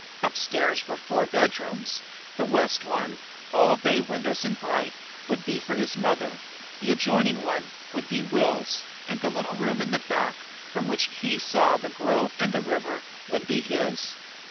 Upstairs were four bed rooms. The west one, all bay windows and bright, would be for his mother; the adjoining one would be Will's, and a little room in the back, from which he saw the grove and the river, would be his.